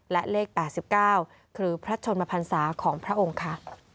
และเลข๘๙คือพระชนมพันศาของพระองค์ค่ะ